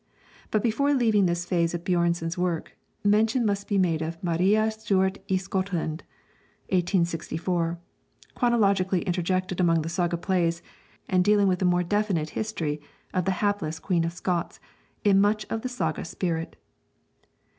But before leaving this phase of Björnson's work, mention must be made of 'Maria Stuart i Skotland' (1864), chronologically interjected among the saga plays, and dealing with the more definite history of the hapless Queen of Scots in much of the saga spirit.